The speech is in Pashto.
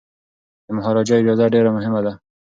د مهاراجا اجازه ډیره مهمه ده.